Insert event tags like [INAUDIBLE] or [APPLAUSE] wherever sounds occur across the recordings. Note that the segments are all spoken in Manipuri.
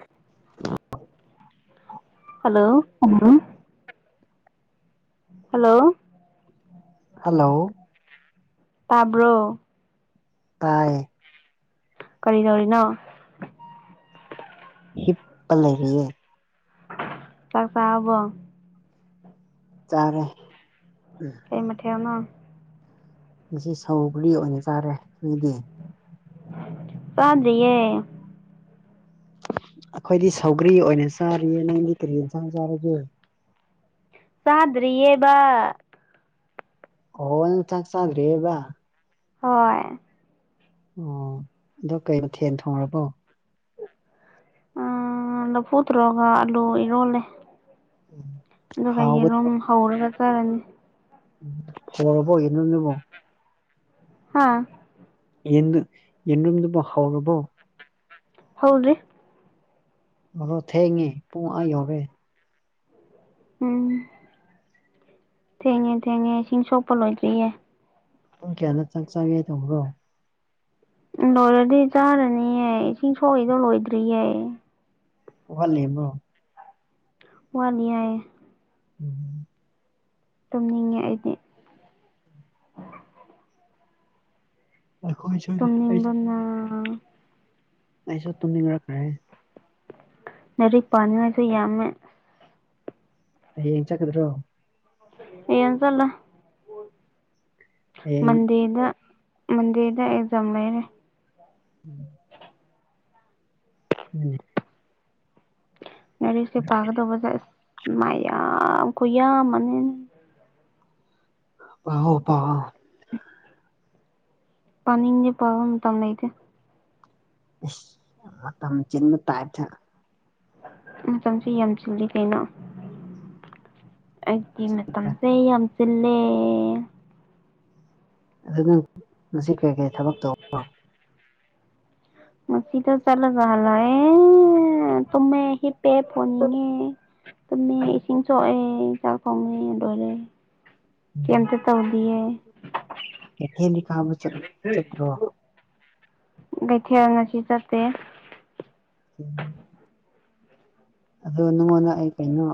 [INAUDIBLE] ꯍꯦꯜꯂꯣ ꯑꯃꯨꯔꯣ ꯍꯦꯜꯂꯣ ꯍꯦꯜꯂꯣ ꯇꯥꯕ꯭ꯔꯣ ꯇꯥꯏ ꯀꯔꯤꯗꯧꯔꯤꯅꯣ ꯍꯤꯞꯄ ꯂꯩꯔꯤꯌꯦ꯫ ꯆꯥꯛ ꯆꯥꯔꯕꯣ ꯆꯥꯔꯦ ꯎꯝ ꯀꯩ ꯃꯊꯦꯜꯅꯣ ꯉꯁꯤ ꯁꯧꯒ꯭ꯔꯤ ꯑꯣꯏꯅ ꯆꯥꯔꯦ ꯅꯣꯏꯗꯤ꯫ ꯆꯥꯗ꯭ꯔꯤꯌꯦ ꯑꯩꯈꯣꯏꯗꯤ ꯁꯧꯒ꯭ꯔꯤ ꯑꯣꯏꯅ ꯆꯥꯔꯤꯌꯦ ꯅꯪꯗꯤ ꯀꯔꯤ ꯌꯦꯟꯁꯥꯡ ꯆꯥꯔꯒꯦ ꯆꯥꯗ꯭ꯔꯤꯌꯦꯕ ꯑꯣ ꯆꯥꯛ ꯆꯥꯗ꯭ꯔꯤꯌꯦꯕ ꯍꯣꯏ ꯑꯣ ꯑꯗꯣ ꯀꯩ ꯃꯊꯦꯜ ꯊꯣꯡꯑꯕꯣ ꯂꯥꯐꯨ ꯊꯔꯣꯒ ꯑꯂꯨꯒ ꯏꯔꯣꯜꯂꯦ ꯑꯗꯨꯒ ꯌꯦꯔꯨꯝ ꯍꯥꯎꯒꯗ꯭ꯔꯣ ꯍꯧꯔꯒ ꯆꯥꯔꯅꯤ ꯌꯧꯔꯕꯣ ꯏꯟꯅꯅꯤꯕꯣ ꯍꯥꯥ ꯌꯦꯔꯨ ꯌꯦꯔꯨꯝꯗꯨꯕꯣ ꯍꯧꯔꯥꯕꯣ ꯍꯧꯗ꯭ꯔꯤ ꯍꯧꯔꯣ ꯊꯦꯡꯉꯦ ꯄꯨꯡ ꯑꯥ ꯌꯧꯔꯦ ꯎꯝ ꯊꯦꯡꯉꯦ ꯊꯦꯡꯉꯦ ꯏꯁꯤꯡ ꯁꯣꯛꯄ ꯂꯣꯏꯗ꯭ꯔꯤꯌꯦ ꯄꯨꯡ ꯀꯌꯥꯗ ꯆꯥꯛ ꯆꯥꯒꯦ ꯇꯧꯕ꯭ꯔꯣ ꯂꯣꯏꯔꯗꯤ ꯆꯥꯔꯅꯤꯌꯦ ꯏꯁꯤꯡ ꯁꯣꯛꯏꯗꯣ ꯂꯣꯏꯗ꯭ꯔꯤꯌꯦ ꯋꯥꯠꯂꯤꯕꯣ ꯋꯥꯠꯂꯤ ꯍꯥꯏꯌꯦ ꯎꯝ ꯇꯨꯝꯅꯤꯡꯉꯦ ꯑꯩꯗꯤ ꯑꯩꯈꯣꯢꯁꯨ ꯇꯨꯝꯅꯤꯡꯕꯅ ꯑꯩꯥꯁꯨ ꯇꯨꯝꯅꯤꯡꯉꯛꯈ꯭ꯔꯦ ꯂꯥꯢꯔꯤꯛ ꯄꯥꯅꯤꯉꯥꯢꯖꯨ ꯌꯥꯝꯃꯦ ꯍꯌꯦꯡ ꯆꯠꯀꯗ꯭ꯔꯣ ꯍꯌꯦꯡ ꯆꯠꯂꯣꯢ ꯍꯌꯦꯡ ꯃꯟꯗꯦꯗ ꯃꯥꯟꯗꯦꯗ ꯑꯦꯛꯖꯝ ꯂꯩꯔꯦ ꯎꯝ ꯎꯝ ꯉꯥꯔꯤꯛꯁꯦ ꯄꯥꯒꯗꯧꯕꯖꯦ ꯑꯁ ꯃꯌꯥꯝ ꯈꯨꯌꯥꯝꯃꯅꯤ ꯄꯑꯣ ꯇꯧꯑꯣ ꯄꯅꯤꯡꯉꯦ ꯄꯥꯕꯥ ꯝꯇꯝ ꯂꯩꯥꯇꯦ ꯏꯁ ꯃꯇꯝ ꯆꯤꯟꯕ ꯇꯥꯢꯞꯇ ꯃꯇꯝꯁꯦ ꯌꯥꯝ ꯆꯤꯜꯂꯤ ꯀꯩꯅꯣ ꯑꯩꯒꯤ ꯃꯇꯝꯁꯦ ꯌꯥꯝ ꯆꯤꯜꯂꯦ ꯑꯗꯨ ꯉꯁꯤ ꯀꯔꯤ ꯀꯔꯤ ꯊꯕꯛ ꯇꯧꯕ ꯃꯁꯤꯗ ꯆꯠꯂꯒ ꯍꯜꯂꯛꯑꯦ ꯇꯨꯃꯦ ꯍꯤꯞꯄꯦ ꯐꯣꯟ ꯌꯦꯡꯉꯦ ꯇꯨꯝꯃꯦ ꯏꯁꯤꯡ ꯁꯣꯛꯑꯦ ꯆꯥꯛ ꯊꯣꯡꯉꯦ ꯂꯣꯢꯔꯦ ꯀꯩꯝꯇꯥ ꯇꯧꯗꯤꯌꯦ ꯀꯩꯊꯦꯜꯗꯤ ꯀꯥꯕ ꯆꯠ ꯆꯠꯇ꯭ꯔꯣ ꯀꯩꯊꯦꯜ ꯉꯁꯤ ꯆꯠꯇꯦ ꯎꯝ ꯑꯗꯨ ꯅꯉꯣꯟꯗ ꯑꯩ ꯀꯩꯅꯣ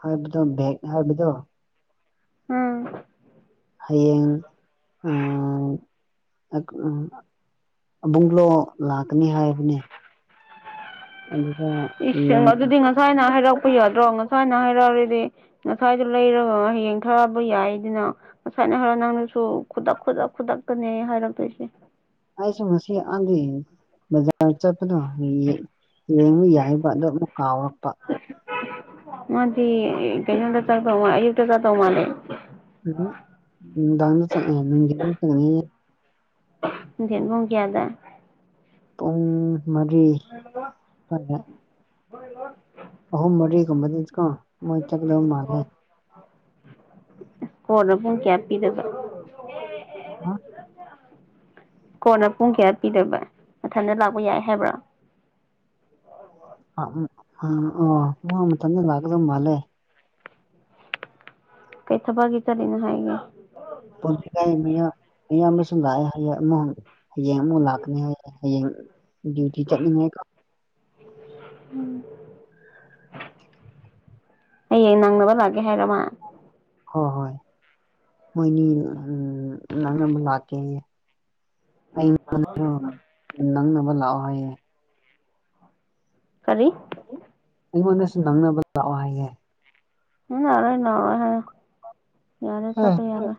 ꯍꯥꯢꯕꯗꯣ ꯕꯦꯛ ꯍꯥꯢꯕꯗꯣ ꯎꯝ ꯍꯌꯦꯡ ꯎꯝ ꯑ ꯎꯝ ꯑꯕꯨꯡꯂꯣ ꯂꯥꯛꯀꯅꯤ ꯍꯥꯢꯕꯅꯦ ꯑꯗꯨꯗ ꯏꯁꯦꯡꯕ ꯌꯦꯡ ꯑꯗꯨꯗꯤ ꯉꯁꯥꯢꯅ ꯍꯥꯢꯔꯛꯄ ꯌꯥꯗ꯭ꯔꯣ ꯉꯁꯥꯢꯅ ꯍꯥꯢꯔꯛꯑꯔꯗꯤ ꯉꯁꯥꯏꯗꯣ ꯂꯩꯔꯒ ꯍꯌꯦꯡ ꯊꯥꯕ ꯌꯥꯢꯗꯅ ꯉꯁꯥꯢꯅꯍꯔ ꯅꯪ ꯅꯪꯁꯨ ꯈꯨꯗꯛ ꯈꯨꯗꯛ ꯈꯨꯗꯛꯇꯅꯦ ꯍꯥꯢꯔꯛꯇꯣꯢꯁꯦ ꯑꯩꯁꯨ ꯉꯁꯤ ꯑꯥꯟꯗꯤ ꯕꯖꯥꯔ ꯆꯠꯄꯗꯣ ꯌꯦꯌꯦ ꯌꯦꯡ ꯌꯥꯢꯕ ꯑꯗꯣ ꯑꯃꯨꯛ ꯀꯥꯎꯔꯛꯄ ꯃꯥꯗꯤ ꯑꯦꯑꯦ ꯀꯩꯅꯣꯅꯗ ꯆꯠꯇꯧ ꯃꯥ ꯑꯌꯨꯛꯇ ꯆꯠꯇꯧ ꯃꯥꯜꯂꯦ ꯎꯝꯎꯝ ꯅꯨꯡꯗꯥꯡꯗ ꯆꯥꯛ ꯌꯥꯌꯥꯝ ꯅꯨꯡꯗꯤꯟꯗ ꯄꯨꯔꯩ ꯑ ꯌꯦꯠꯕꯨꯡ ꯀꯤꯌꯥꯗ ꯄꯨꯡ ꯃꯔꯤ ꯑ ꯍꯣꯠ [UNINTELLIGIBLE] ꯍꯣꯢ ꯍꯣ ꯑꯍꯨꯝ ꯃꯔꯤꯒꯨꯝꯕꯗꯤꯀꯣ ꯃꯣꯢ ꯇꯨꯝꯗꯕ ꯃꯥꯜꯂꯦ ꯐꯣꯔꯗ ꯄꯨꯡ ꯀꯌꯥ ꯄꯤꯗꯕ ꯑꯥ ꯀꯣꯟꯅ ꯄꯨꯡ ꯀꯌꯥ ꯄꯤꯗꯕ ꯃꯊꯟꯇ ꯂꯥꯛꯄ ꯌꯥꯢ ꯍꯥꯢꯕ꯭ꯔꯥ ꯑ ꯎꯝ ꯑꯥ ꯑꯣ ꯃꯦ ꯃꯊꯟꯗ ꯂꯥꯛꯀꯗꯧ ꯃꯥꯜꯂꯦ ꯀꯩ ꯊꯕꯒꯤ ꯆꯠꯂꯤꯅꯤ ꯍꯥꯏꯒꯦ [UNINTELLIGIBLE] ꯂꯥꯑꯦ ꯍꯥꯏꯌꯦ ꯑꯃ ꯍꯌꯦꯡ ꯑꯃꯨꯛ ꯂꯥꯛꯀꯅꯤ ꯍꯥꯏ ꯍꯌꯦꯡ ꯗ꯭ꯌꯨꯇꯤ ꯆꯠꯅꯤꯡꯉꯦ ꯀ ꯎꯝ ꯍꯌꯦꯡ ꯅꯪꯅꯕ ꯂꯥꯀꯦ ꯍꯥꯏꯔ ꯃꯥ ꯍꯣ ꯍꯣꯏ ꯃꯣꯏꯅꯤ [UNINTELLIGIBLE] ꯅꯪꯅꯃ ꯂꯥꯛꯀꯦꯌꯦ [UNINTELLIGIBLE] ꯅꯪꯅꯕ ꯂꯥꯑꯣ ꯍꯥꯏꯌꯦꯦ ꯀꯔꯤ ꯑꯩꯉꯣꯟꯗꯁꯨ ꯅꯪꯅꯕ ꯂꯥꯛꯑꯣ ꯍꯥꯏꯌꯦꯦ [UNINTELLIGIBLE] ꯍꯥꯏꯌ ꯌꯥꯔꯦ ꯆꯄ ꯌꯥꯔꯣꯏ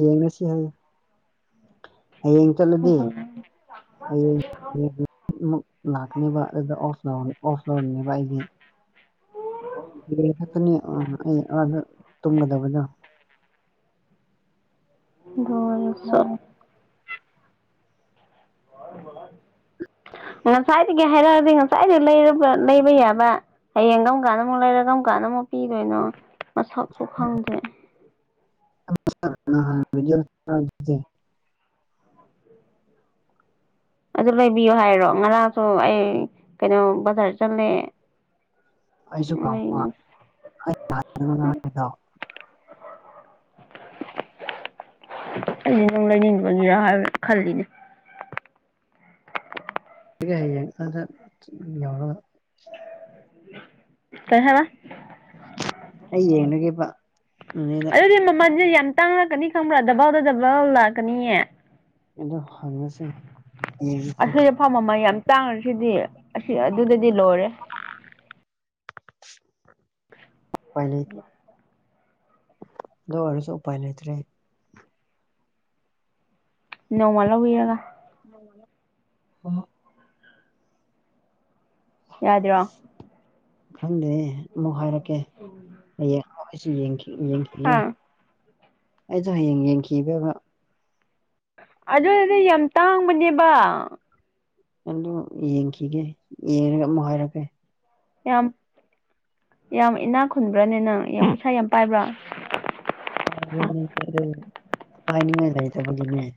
ꯌꯦꯉꯁꯤ ꯍꯌꯤꯡ [UNINTELLIGIBLE] [UNINTELLIGIBLE] ꯂꯥꯛꯀꯅꯦꯕ ꯑꯗ ꯑꯣꯐ ꯂꯧꯔ ꯑꯣꯐ ꯂꯧꯔꯅꯦꯕ ꯑꯩꯗꯤ [UNINTELLIGIBLE] ꯈꯛꯇꯅꯤ ꯑ ꯑꯩ ꯑꯥꯗ ꯇꯨꯝꯒꯗꯕꯗꯣ ꯑꯣ [UNINTELLIGIBLE] ꯉꯁꯥꯏꯗꯒꯤ ꯍꯥꯏꯔꯛꯑꯗꯤ ꯉꯁꯥꯏꯗꯩ ꯂꯩꯕ ꯂꯩꯕ ꯌꯥꯕ ꯍꯌꯦꯡ ꯒꯝ ꯀꯥꯟꯗ ꯃꯨꯛ ꯂꯩꯔ ꯀꯝ ꯀꯥꯟꯗ ꯃꯨꯛ ꯄꯤꯗꯣꯏꯅꯣ ꯃꯁꯛꯁꯨ ꯈꯪꯗꯦ [UNINTELLIGIBLE] ꯑꯗꯨ ꯂꯩꯕꯤꯌꯣ ꯍꯥꯏꯔꯣ ꯉꯔꯥꯡꯁꯨ ꯑꯩ ꯀꯩꯅꯣ ꯕꯖꯥꯔ ꯆꯂꯦ ꯑꯩꯁꯨ ꯀꯥꯎꯄ [UNINTELLIGIBLE] ꯑꯩꯖꯦ ꯅꯪ ꯂꯩꯅꯤꯡꯕꯒꯤꯔꯥ ꯍꯥꯏꯕ ꯈꯜꯂꯤꯅꯦ ꯁꯤ ꯍꯌꯦꯡ ꯑꯥꯗ ꯆꯤ ꯌꯧꯔꯒ ꯀꯩꯍꯥ ꯑꯩ ꯌꯦꯡꯂꯒꯦꯕ ꯅꯦꯗ ꯑꯗꯨꯗꯤ ꯃꯃꯜꯁꯦ ꯌꯥꯝ ꯇꯥꯡꯂꯛꯀꯅꯤ ꯈꯪꯕ꯭ꯔꯥ ꯗꯕꯜꯗ ꯗꯕꯜ ꯂꯥꯛꯀꯅꯤꯌꯦ ꯑꯗꯣ ꯍꯪꯉꯁꯦ ꯌꯦꯉꯁꯦ ꯄꯥꯟ ꯃꯃꯜ ꯌꯥꯝ ꯇꯥꯡꯉꯁꯤꯗꯤ ꯑꯁꯤ ꯑꯗꯨꯗꯗꯤ ꯂꯣꯏꯔꯦ ꯄꯥꯏꯂꯩꯗꯤ ꯗꯨ ꯑꯣꯔꯁꯨ ꯎꯄꯥꯏ ꯂꯩꯇ꯭ꯔꯦ ꯅꯪ ꯋꯥꯔꯧꯋꯤꯑꯉ [UNINTELLIGIBLE] ꯌꯥꯗ꯭ꯔꯣ ꯈꯪꯗꯦ ꯑꯃꯨꯛ ꯍꯥꯏꯔꯛꯀꯦ ꯍꯌꯦꯡ ꯑꯩꯁꯨ ꯌꯦꯡꯒꯦ ꯌꯦꯡꯈꯤꯌꯦ ꯍꯥ ꯑꯩꯁꯨ ꯍꯌꯦꯡ ꯌꯦꯡꯈꯤꯒꯕ ꯑꯗꯨꯗꯗꯤ ꯌꯥꯝ ꯇꯥꯡꯕꯅꯦꯕ ꯑꯗꯨ ꯌꯦꯡꯈꯤꯒꯦ ꯌꯦꯡꯉ ꯑꯃꯨꯛ ꯍꯥꯏꯔꯛꯀꯦ ꯌꯥꯝ ꯌꯥꯝ ꯏꯅꯥꯛ ꯈꯨꯟꯕ꯭ꯔꯅꯦ ꯅꯪ ꯌꯥꯝ ꯄꯩꯁꯥ ꯌꯥꯝ ꯄꯥꯏꯕ꯭ꯔꯥ ꯥ [UNINTELLIGIBLE] ꯄꯥꯏꯅꯤꯉꯥꯏ ꯂꯩꯇꯕꯅꯤꯅ‌ꯦ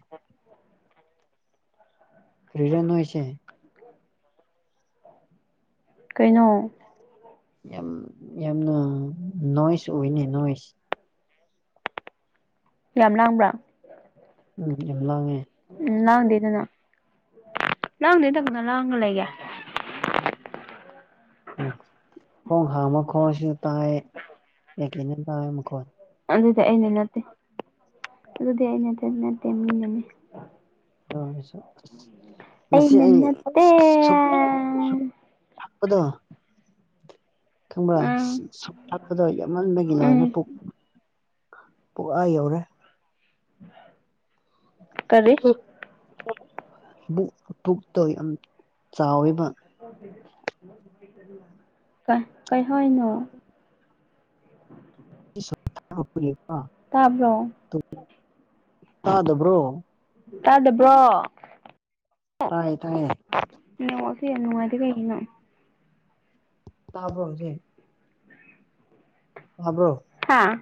ꯀ꯭ꯔꯤꯔ ꯅꫭꯏꯁꯦ ꯀꯩꯅꯣ ꯌꯝ ꯌꯝꯅ ꯅꯣꯏꯁ ꯑꯣꯏꯅꯦ ꯅꯣꯏꯁ ꯌꯥꯝ ꯂꯥꯡꯕ꯭ꯔ ꯎꯝ ꯌꯥꯝ ꯂꯥꯡꯉ‌ꯦ ꯎꯝ ꯂꯥꯡꯗꯦꯗꯅ ꯂꯥꯡꯗꯦꯗ ꯀꯅ ꯂꯥꯡꯉꯒ ꯂꯩꯒꯦ꯫ [INAUDIBLE] ꯎꯝ ꯊꫭꯡ ꯍꯥꯡꯕꯈꫭꯟꯁꯨ ꯇꯥꯏꯌ‌ꯦ ꯀꯩ ꯀꯩꯅ ꫭꯇꯥꯏꯌ‌ꯦ ꯃꯈꯣꯟ ꯑꯗꯨꯗꯤ ꯑꯩꯅ ꯅꯠꯇꯦ ꯑꯗꯨꯗꯤ ꯑꯩꯅꯗꯤ ꯅꯠꯇꯦ ꯃꯤꯅꯅꯤ꯫ [UNINTELLIGIBLE] ꯉꯁꯤ ꯑꯩꯅ ꯑꯩ ꯅꯠꯇꯦ [UNINTELLIGIBLE] ‌ ꯄꯗꯣ ꯎꯝ ꯈꯪꯕ꯭ꯔꯥ [UNINTELLIGIBLE] ꯌꯥꯝꯃꯟꯕꯒꯤ ꯎꯝ ꯂꯣꯏꯔꯦ ꯄꯨꯛ ꯄꯨꯛ ꯑꯥ ꯌꯧꯔꯦ ꯀꯔꯤ ꯕꯨꯛ ꯄꯨꯛꯇꯣ ꯌꯥꯝ ꯆꯥꯎꯋꯦꯕ ꯀꯩ ꯀꯩꯍꯣꯏꯅꯣ [UNINTELLIGIBLE] ꯇꯥꯕ꯭ꯔꯣ [UNINTELLIGIBLE] ꯇꯥꯗꯕ꯭ꯔꯣ ꯇꯥꯗꯕ꯭ꯔꯣ ꯇꯥꯏ ꯇꯥꯏꯌ‌ꯦ ꯅ‌ꯦꯠꯋꯥꯛꯁ‌ꯦ ꯌꯥꯝ ꯅꯨꯡꯉꯥꯏꯗ‌ꯦ ꯀꯩꯒꯤꯅꯣ ꯇꯥꯕ꯭ꯔꫭ ꯍꯧꯖꯤꯛ ꯇꯥꯕ꯭ꯔꯣ ꯍꯥꯥ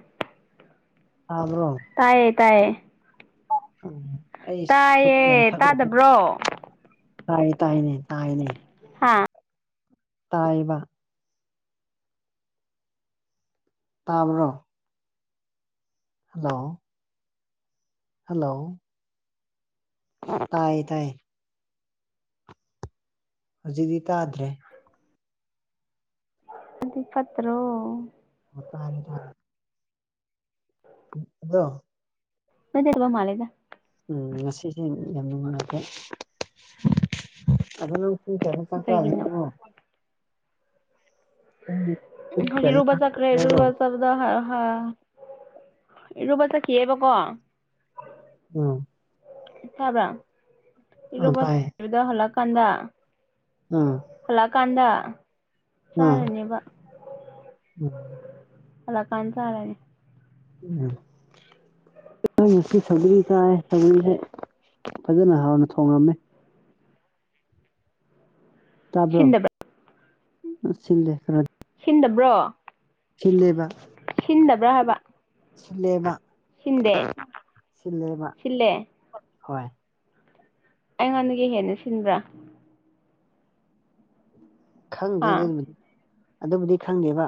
ꯇꯥꯕ꯭ꯔꫭ ꯇꯥꯏꯌꯦ ꯇꯥꯏꯌꯦ ꯑꯥ ꯑꯩꯁ ꯁꯨꯞ ꯇꯥꯏꯌꯦ ꯌꯥꯝ ꯊꯛꯂꯨꯒ‌ꯦ ꯇꯥꯗꯕ꯭ꯔꯣ ꯇꯥꯏ ꯇꯥꯏꯅꯦ ꯇꯥꯏꯅꯦ ꯍꯥꯥ ꯇꯥꯏꯕ ꯇꯥꯕ꯭ꯔꯣ ꯍꯜꯂꯣ ꯍꯜꯂꯣ ꯇꯥꯏ ꯇꯥꯏ ꯍꯧꯖꯤꯛꯇꯤ ꯇꯥꯗ꯭ꯔꯦ ꯑꯗꯤ ꯐꯠꯇ꯭ꯔꯣ [UNINTELLIGIBLE] ꯎꯨ ꯑꯗꫭ [UNINTELLIGIBLE] ꯃꯥꯜꯂ‌ꯦꯗ ꯎꯝ ꯉꯁꯤꯁꯦ ꯌꯥꯝ ꯅꯨꯡꯉꯥꯏꯇꯦ ꯑꯗꯣ [UNINTELLIGIBLE] ꯀꯩꯒꯤꯅꯣ [UNINTELLIGIBLE] ꯄꯨꯡ ꯎꯨꯝ ꯄꯨꯡ ꯀꯌꯥꯗ ꯆꯥꯛ [UNINTELLIGIBLE] ꯆꯥꯒꯦ ꯍꯥꯏꯕ꯭ꯔꯣ ꯍꯥ ꯍꯣꯏ ꯍꯣꯏ ꯏꯔꯨꯕ ꯆꯠꯈꯤꯌ‌ꯦꯕꯀꫭ ꯎꯝ ꯇꯥꯕ꯭ꯔꯥ ꯑꯥ ꯏꯔꯨꯕ ꯇꯥꯏꯌꯦ ꯗꯨꯗ ꯍꯜꯂꯛꯀꯥꯟꯗ ꯎꯝ ꯍꯜꯂꯛꯑꯀꯥꯟꯗ ꯑꯥ ꯆꯥꯔꯅꯤꯕ [UNINTELLIGIBLE] ꯍꯜꯂꯀꯥꯟ ꯆꯥꯔꯅꯤ ꯎꯝ [INAUDIBLE] ꯉꯁꯤ ꯁꯧꯒꯔꯤ ꯆꯥꯏ ꯁꯧꯒꯔꯤꯁꯦ ꯐꯖꯅ ꯍꯥꯎꯅ ꯊꯣꯡꯉꯝꯃꯦ ꯇꯥꯕ꯭ꯔꯣ ꯁꯤꯟꯗꯕ꯭ꯔꯥ ꯁꯤꯟꯂꯦ ꯈꯔ ꯁꯤꯟꯗꯕ꯭ꯔꯣ ꯁꯤꯟꯂꯦꯕ ꯁꯤꯟꯗꯕ꯭ꯔꯥ ꯍꯥꯏꯕ ꯁꯤꯟꯂꯦꯕ ꯁꯤꯟꯗꯦ ꯁꯤꯟꯂꯦꯕ ꯁꯤꯜꯂꯦ ꯍꯣꯏ ꯑꯩꯉꯣꯟꯗꯒꯤ ꯍꯦꯟꯅ ꯁꯤꯟꯕ꯭ꯔꯥ ꯈꯪꯗꯦ ꯑꯥ ꯑꯗꯨꯕꯨ ꯑꯗꯨꯕꯨꯗꯤ ꯈꯪꯗꯦꯕ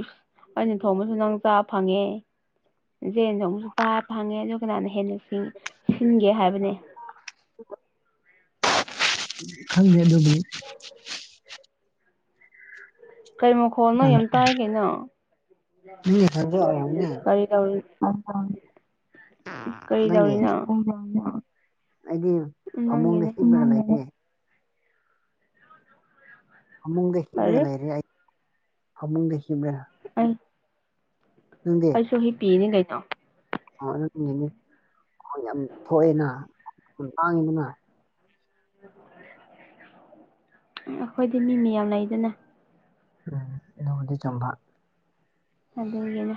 ꯏꯁ ꯑꯩꯅ ꯊꯣꯡꯕꯁꯨ ꯅꯪ ꯆꯥ ꯐꯪꯉꯦ ꯖꯦꯟ ꯊꯣꯡꯕꯁꯨ ꯆꯥ ꯐꯪꯉꯦ ꯑꯗꯨ ꯀꯅꯥꯅ ꯍꯦꯟ ꯅꯨꯁꯤ ꯁꯤꯟꯒꯦ ꯍꯥꯏꯕꯅꯦ [INAUDIBLE] ꯈꯪꯗꯦ ꯑꯗꯨꯗꯤ ꯀꯩ ꯃꯈꯣꯜꯅꯣ ꯌꯥꯝ ꯇꯥꯏ ꯀꯩꯅꯣ [UNINTELLIGIBLE] ꯅꯪꯅꯦ ꯀꯔꯤ ꯇꯧꯔꯤ ꯀꯔꯤ [UNINTELLIGIBLE] ꯇꯧꯔꯤꯅꯣ ꯑꯩꯗꯤ ꯐꯃꯨꯡꯗ ꯅꯪꯒꯤꯅꯦ ꯍꯤꯞꯔꯒ ꯂꯩꯌꯦ ꯐꯃꯨꯡꯗ ꯍꯤꯞꯔꯒ ꯀꯔꯤ ꯂꯩꯔꯦ ꯑꯩ ꯐꯃꯨꯡꯗ ꯍꯤꯞꯔ ꯑꯩ ꯅꯪꯗꯤ ꯑꯩꯁꯨ ꯍꯤꯞꯄꯤꯅꯤ ꯀꯩꯅꯣ ꯑꯣ ꯑꯗꯨꯗꯤ ꯌꯪꯉꯤ ꯈꯣꯟ ꯌꯥꯝ ꯊꯣꯛꯑꯦꯅ ꯂꯥꯡꯉꯤꯗꯅ ꯑꯈꯣꯏꯗꯤ ꯃꯤ ꯃꯌꯥꯝ ꯂꯩꯗꯅ ꯎꯝ ꯑꯗꯨꯕꯨꯗꯤ ꯆꯨꯝꯕ ꯑꯗꯨꯒꯤꯅꯦ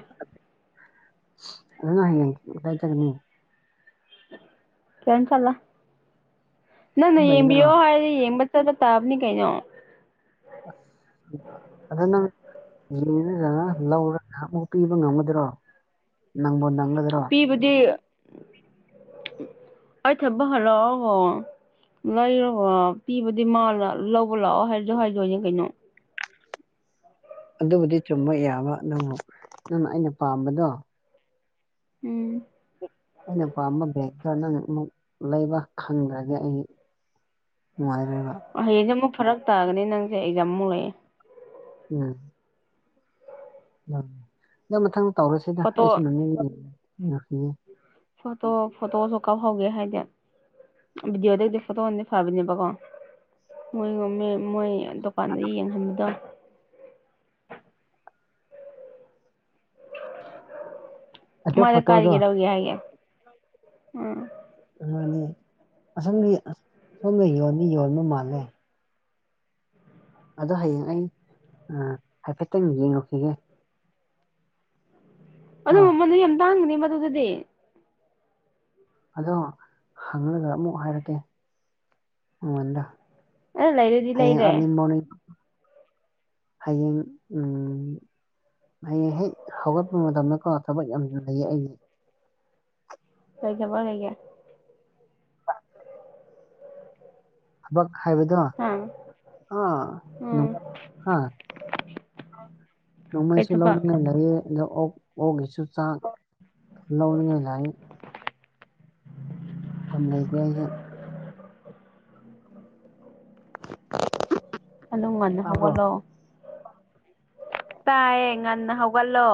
ꯅꯪ ꯍꯌꯦꯡ ꯗꯥꯏ ꯆꯠꯀꯅꯤ ꯀꯩꯝ ꯆꯠꯂꯣꯏ ꯅꯪꯅ ꯁꯨꯝ ꯂꯩꯒꯗꯔꯣ ꯌꯦꯡꯕꯤꯌꯣ ꯍꯥꯏꯔꯗꯤ ꯌꯦꯡꯕ ꯆꯠꯄ ꯇꯥꯕꯅꯤ ꯀꯩꯅꯣ ꯑꯗꯣ ꯅꯪ ꯂꯤꯔꯒ ꯂꯧꯔꯒ ꯑꯃꯨꯛ ꯄꯤꯕ ꯉꯝꯒꯗ꯭ꯔꯣ ꯅꯪꯕꯣ ꯅꯪꯒꯗꯔꯣ ꯇꯤꯕꯗꯤ ꯑꯩ ꯊꯕꯛ ꯍꯜꯂꯛꯑꯒ ꯂꯩꯔꯒ ꯄꯤꯕꯗꯤ ꯃꯥꯅ ꯂꯧꯕ ꯂꯥꯛꯑꯣ ꯍꯥꯏꯖꯨ ꯍꯥꯏꯗꯣꯏꯅꯤ ꯀꯩꯅꯣ ꯑꯗꯨꯕꯨꯗꯤ ꯆꯨꯝꯕ ꯌꯥꯕ ꯅꯪꯅ ꯅꯪꯅ ꯑꯩꯅ ꯄꯥꯝꯕꯗꯣ ꯎꯝ ꯑꯩꯅ ꯄꯥꯝꯕ ꯕꯦꯛꯇꯣ ꯅꯪꯅ ꯑꯃꯛ ꯂꯩꯕ ꯈꯪꯗ꯭ꯔꯗꯤ ꯑꯩ ꯅꯨꯡꯉꯥꯏꯔꯣꯏꯕ ꯍꯌꯦꯡꯁꯦ ꯑꯃꯨꯛ ꯐꯔꯛ ꯇꯥꯒꯅꯤ ꯅꯪꯖꯦ ꯑꯦꯛꯖꯥꯝ ꯑꯃꯨꯛ ꯂꯩꯑꯦ ꯎꯝ ꯗꯥ ꯃꯊꯪ ꯇꯧꯔꯁꯦꯗ ꯐꯣꯇꯣ ꯑꯩꯁꯨꯨ [UNINTELLIGIBLE] ꯐꯣꯇꯣ ꯐꯣꯇꯣꯁꯨ ꯀꯥꯞꯍꯧꯒꯦ ꯍꯥꯏꯗꯦ ꯚꯗꯤꯑꯣꯗꯩꯗꯤ ꯐꯣꯇꯣꯅꯗꯤ ꯐꯕꯅꯦꯕꯀꯣ ꯃꯣꯏꯒꯨꯝꯃꯦ ꯃꯣꯏ ꯗꯨꯀꯥꯟꯗ ꯌꯦꯡꯍꯟꯕꯗꯣ ꯑꯗꯨ ꯃꯥꯗꯤ ꯐꯣꯇꯣꯗꯣ ꯀꯥꯏꯗꯒꯤ ꯂꯧꯒꯦ ꯍꯥꯏꯒ ꯎꯝ ꯑꯗꯨꯗꯤ ꯑꯁꯣꯝꯗꯤ ꯁꯣꯝꯗ ꯌꯣꯟꯗꯤ ꯌꯣꯟꯕ ꯃꯥꯜꯂꯦ ꯑꯗꯣ ꯍꯌꯦꯡ ꯑꯩ ꯑꯥ ꯍꯥꯏꯐꯦꯠꯇꯪ ꯌꯦꯡꯉꯨꯈꯤꯒꯦ ꯑꯗꯨ ꯀꯣ ꯒꯨꯝꯕꯗꯨ ꯌꯥꯝ ꯇꯥꯡꯒꯅꯤ ꯃꯗꯨꯗꯗꯤ ꯑꯗꯣ ꯍꯪꯉꯒ ꯑꯃꯨꯛ ꯍꯥꯏꯔꯛꯀꯦ ꯅꯪꯉꯣꯟꯗ ꯑꯦ ꯂꯩꯔꯗꯤ ꯍꯌꯦꯡ ꯂꯩꯔꯦ ꯑꯥꯔꯂꯤ ꯃꯣꯔꯅꯤꯡ ꯍꯌꯦꯡ ꯎꯝ ꯍꯌꯦꯡ ꯍꯦꯛ ꯍꯧꯒꯠꯄ ꯃꯇꯝꯗꯀꯣ ꯊꯕꯛ ꯌꯥꯝ ꯂꯩꯌꯦ ꯑꯩ ꯀꯩ ꯊꯕꯛ ꯂꯩꯒꯦ ꯊꯕꯛ ꯍꯥꯏꯕꯗꯣ ꯍꯥ ꯑꯥ ꯅꯣ ꯎꯝ ꯍꯥ ꯀꯩ ꯅꯣꯡꯃꯩꯁꯨ ꯊꯕꯛ ꯂꯧꯅꯤꯡꯉꯥꯏ ꯂꯩꯌꯦ ꯑꯗ ꯑꯣꯛ ꯑꯣꯛꯒꯤꯁꯨ ꯆꯥꯛ ꯂꯧꯅꯤꯡꯉꯥꯏ ꯂꯩ ꯌꯥꯝ ꯂꯩꯈ꯭ꯔꯦ ꯑꯩꯁꯨ [INAUDIBLE] ꯑꯗꯨ ꯉꯟꯅ ꯇꯥꯕ꯭ꯔꯣ ꯍꯧꯒꯠꯂꯣ ꯇꯥꯏꯌꯦ ꯉꯟꯅ ꯍꯧꯒꯠꯂꯣ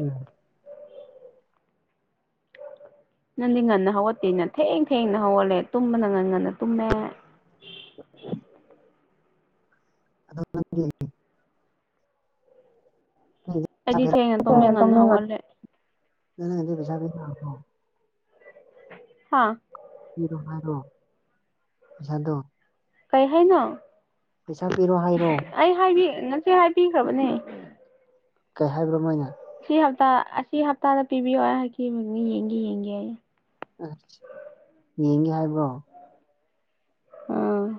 ꯎꯝ ꯅꯪꯗꯤ ꯉꯟꯅ ꯍꯧꯒꯠꯇꯦꯅ ꯊꯦꯡ ꯊꯦꯡꯅ ꯍꯧꯒꯠꯂꯦ ꯇꯨꯝꯕꯅ ꯉꯟ ꯉꯟꯅ ꯇꯨꯝꯃꯦ [INAUDIBLE] ꯑꯩꯗꯤ ꯊꯦꯡꯅ ꯇꯨꯝꯃꯦ ꯉꯟꯅ ꯍꯧꯒꯠꯂꯦ [UNINTELLIGIBLE] [UNINTELLIGIBLE] ꯍꯥꯥ ꯄꯤꯔꯣ ꯍꯥꯏꯔꯣ ꯄꯩꯁꯥꯗꯣ ꯀꯩ ꯍꯥꯏꯅꯣ ꯄꯩꯁꯥ ꯄꯤꯔꯣ ꯍꯥꯏꯔꯣ ꯑꯩ ꯍꯥꯏꯗꯤ ꯉꯁꯥꯢ ꯍꯥꯏꯕꯤꯈ꯭ꯔꯕꯅꯦ ꯀꯩ ꯍꯥꯏꯕ꯭ꯔꯥ ꯃꯣꯏꯅ ꯁꯤ ꯍꯞꯇꯥ ꯑꯁꯤ ꯍꯞꯇꯥꯗ ꯄꯤꯕꯤꯌꯣ ꯍꯥꯏꯈꯤꯕꯅꯦ ꯌꯦꯡꯒꯦ ꯌꯦꯡꯒꯦ ꯌꯦ ꯑꯥ ꯌꯦꯡꯉꯦ ꯍꯥꯏꯕ꯭ꯔꯣ ꯑꯥ